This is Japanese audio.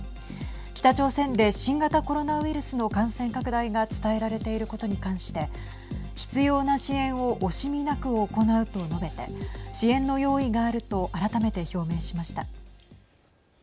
北朝鮮で新型コロナウイルスの感染拡大が伝えられていることに関して必要な支援を惜しみなく行うと述べて支援の用意があると改めて表明しました。